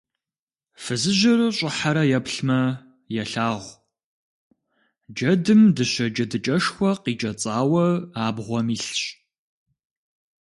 Фызыжьыр щӀыхьэрэ еплъмэ, елъагъу: джэдым дыщэ джэдыкӀэшхуэ къикӀэцӀауэ абгъуэм илъщ.